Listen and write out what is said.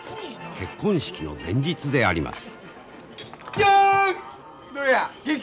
結婚式の前日であります。